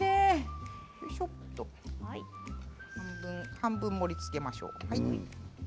半分、盛りつけましょう。